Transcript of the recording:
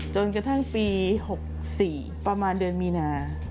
จนกระทั่งปี๖๔ประมาณเดือนมีนา